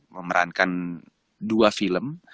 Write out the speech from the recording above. memerankan dua film